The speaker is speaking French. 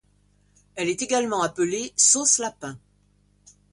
Elle est également appelée sauce lapin.